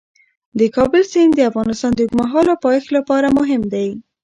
د کابل سیند د افغانستان د اوږدمهاله پایښت لپاره مهم دی.